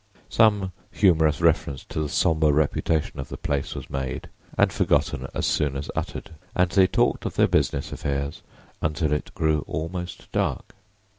Some humorous reference to the somber reputation of the place was made and forgotten as soon as uttered, and they talked of their business affairs until it grew almost dark.